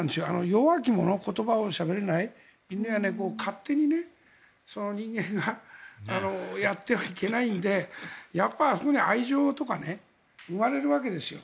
弱き者、言葉をしゃべれない犬や猫を勝手に人間がやってはいけないのでやっぱり、あそこに愛情とか生まれるわけですよ。